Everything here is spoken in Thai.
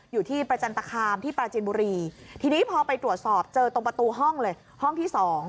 อยู่ที่ประจันตคามที่ปราจินบุรีทีนี้พอไปตรวจสอบเจอตรงประตูห้องเลยห้องที่๒